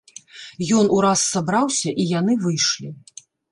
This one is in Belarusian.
Ён ураз сабраўся, і яны выйшлі.